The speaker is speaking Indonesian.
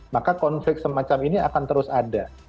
maka konflik semacam ini akan terus ada